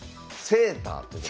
セーター？